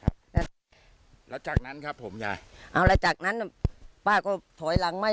แล้วจากนั้นครับผมยายเอาแล้วจากนั้นป้าก็ถอยหลังไหม้